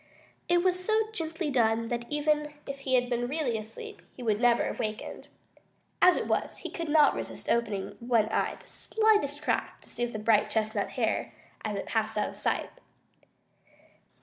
It was so gently done that even if he had been really asleep, he would never have wakened. As it was, he could not resist opening one eye the slightest crack to see the bright chestnut hair as it passed out of sight.